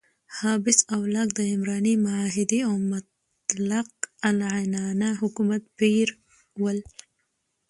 هابس او لاک د عمراني معاهدې او مطلق العنانه حکومت پیر ول.